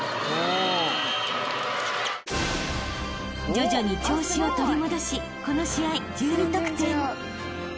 ［徐々に調子を取り戻しこの試合１２得点］